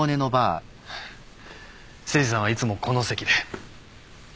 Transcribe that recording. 誠司さんはいつもこの席で。